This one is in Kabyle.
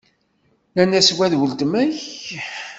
Nnan-as ma d uletma-k.